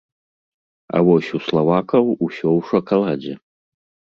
А вось у славакаў усё ў шакаладзе.